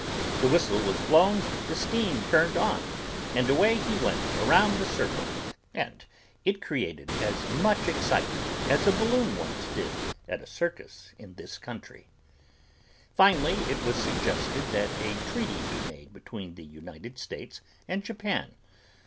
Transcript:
The whistle was blown, the steam turned on and away he went around the circle and it created as much excitement as a balloon once did at a circus in this country. Finally, it was suggested that a treaty be made between the United States and Japan.